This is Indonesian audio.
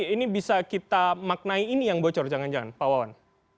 ini bisa kita maknai ini yang bocor jangan jangan pak wawan